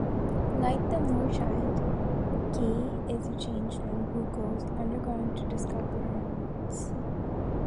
Like the moorchild, Kaye is a changeling who goes underground to discover her roots.